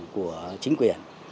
của chính quyền